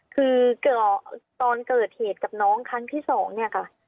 คือตอนเกิดเหตุกับน้องครั้งที่สองเนี่ยค่ะ